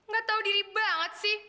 gak tahu diri banget sih